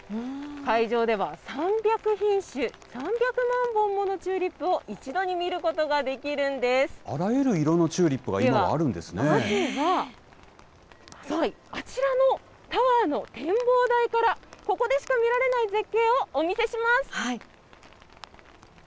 会場では３００品種、３００万本ものチューリップを一度に見るこあらゆる色のチューリップがではまずは、あちらのタワーの展望台から、ここでしか見られない絶景をお見せします。